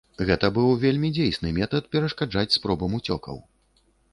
Гэта быў вельмі дзейсны метад перашкаджаць спробам уцёкаў.